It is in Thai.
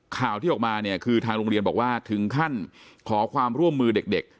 ข่าวที่ออกมาเนี่ยคือทางโรงเรียนบอกว่าถึงขั้นขอความร่วมมือเด็ก